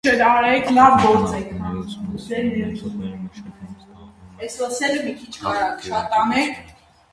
Պատմական աղբյուրների ուսումնասիրման մեթոդների մշակմամբ զբաղվում է աղբյուրագիտությունը։